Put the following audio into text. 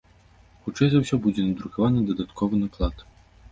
Хутчэй за ўсё, будзе надрукаваны дадатковы наклад.